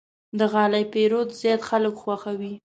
د غالۍ پېرود زیات خلک خوښوي.